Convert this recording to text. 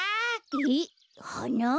えっはな？